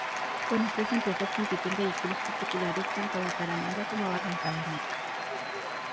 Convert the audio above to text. Con estas empresas compiten vehículos particulares tanto a Bucaramanga como a Barrancabermeja.